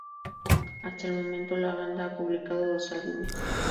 Hasta el momento la banda ha publicado dos álbumes.